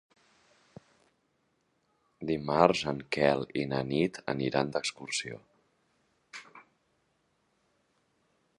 Dimarts en Quel i na Nit aniran d'excursió.